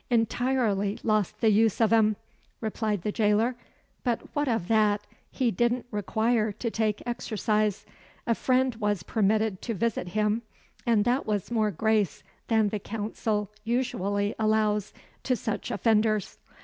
"Entirely lost the use of 'em," replied the jailer. "But what of that? He didn't require to take exercise. A friend was permitted to visit him, and that was more grace than the Council usually allows to such offenders."